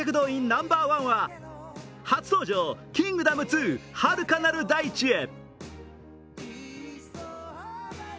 ナンバーワンは初登場「キングダム２遥かなる大地へ」